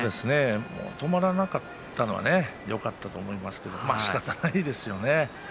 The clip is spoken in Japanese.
止まらなかったのはよかったと思うんですがしかたないですよね。